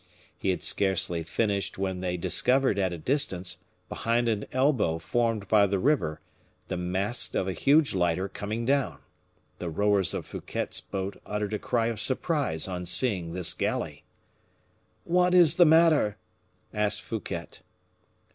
He had scarcely finished when they discovered at a distance, behind an elbow formed by the river, the masts of a huge lighter coming down. The rowers of Fouquet's boat uttered a cry of surprise on seeing this galley. "What is the matter?" asked Fouquet.